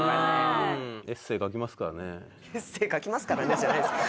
「エッセー書きますからね」じゃないですよ。